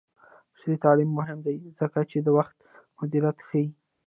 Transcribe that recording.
عصري تعلیم مهم دی ځکه چې د وخت مدیریت ښيي.